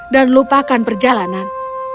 dan lupakan perjalanan